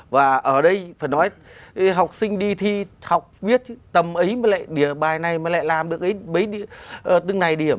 và ở đây phải nói học sinh đi thi học viết tầm ấy mà lại bài này mà lại làm được từng này điểm